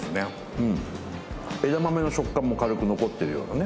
うん枝豆の食感も軽く残ってるようなね